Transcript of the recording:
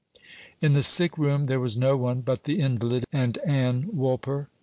In the sick room there was no one but the invalid and Ann Woolper.